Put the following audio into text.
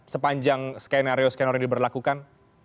sepanjang skenario skenario diberlakukan